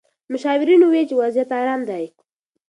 مشاورینو وویل چې وضعیت ارام دی.